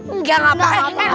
enggak enggak enggak enggak